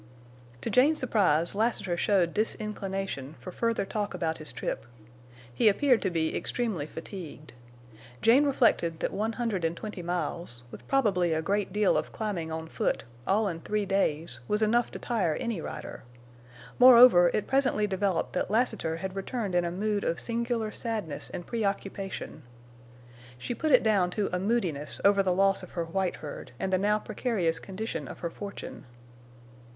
To Jane's surprise Lassiter showed disinclination for further talk about his trip. He appeared to be extremely fatigued. Jane reflected that one hundred and twenty miles, with probably a great deal of climbing on foot, all in three days, was enough to tire any rider. Moreover, it presently developed that Lassiter had returned in a mood of singular sadness and preoccupation. She put it down to a moodiness over the loss of her white herd and the now precarious condition of her fortune.